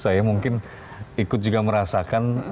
saya mungkin ikut juga merasakan